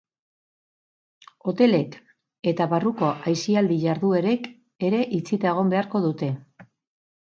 Hotelek eta barruko aisialdi jarduerek ere itxita egon beharko dute.